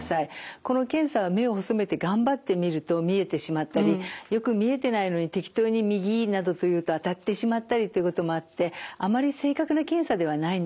この検査は目を細めて頑張って見ると見えてしまったりよく見えてないのに適当に「右」などと言うと当たってしまったりということもあってあまり正確な検査ではないんです。